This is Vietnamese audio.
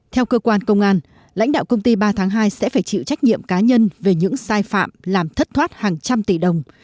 theo cơ quan công an lãnh đạo công ty ba tháng hai sẽ phải chịu trách nhiệm cá nhân về những sai phạm làm thất thoát hàng trăm tỷ đồng